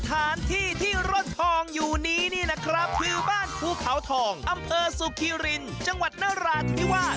สถานที่ที่ร่อนทองอยู่นี้นี่นะครับคือบ้านภูเขาทองอำเภอสุขิรินจังหวัดนราธิวาส